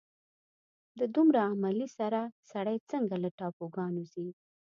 د دومره عملې سره سړی څرنګه له ټاپوګانو ځي.